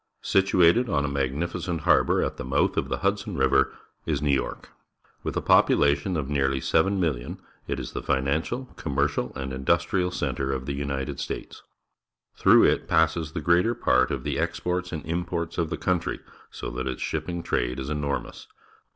Situated on a magnificent harbour at the mouth of the Hudson River is A^eic ' York. With a population of nearly 7,000,000, it is the financial, commercial, and industrial centre of the United States. Through it passes the greater part of the exports and imports of the country, so that its shipping trade is enormous.